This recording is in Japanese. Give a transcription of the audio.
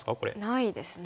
ないですね。